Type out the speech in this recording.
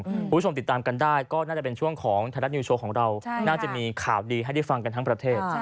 คุณผู้ชมติดตามกันได้ก็น่าจะเป็นช่วงของไทยรัฐนิวโชว์ของเราน่าจะมีข่าวดีให้ได้ฟังกันทั้งประเทศ